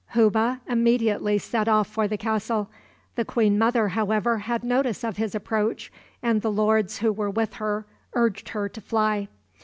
Hubbe immediately set off for the castle. The queen mother, however, had notice of his approach, and the lords who were with her urged her to fly.